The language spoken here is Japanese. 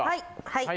はい。